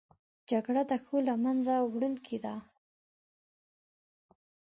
جګړه د ښو له منځه وړونکې ده